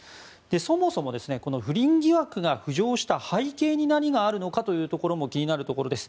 そもそも、不倫疑惑が浮上した背景に何があるのかも気になるところです。